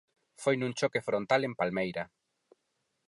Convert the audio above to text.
Foi nun choque frontal en Palmeira.